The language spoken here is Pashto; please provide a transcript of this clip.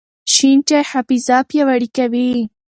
شین چای حافظه پیاوړې کوي.